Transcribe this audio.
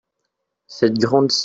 Cette grande-ci.